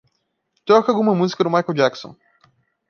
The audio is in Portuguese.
Toque alguma música do Michael Jackson.